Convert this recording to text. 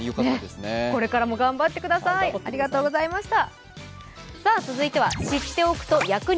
これからも頑張ってください、ありがとうございました。